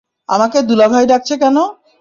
আমাকে দুলাভাই ডাকছে কেনো?